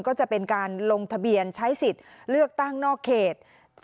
ก็จะเป็นการลงทะเบียนใช้สิทธิ์เลือกตั้งนอกเขต